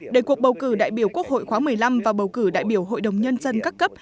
để cuộc bầu cử đại biểu quốc hội khóa một mươi năm và bầu cử đại biểu hội đồng nhân dân các cấp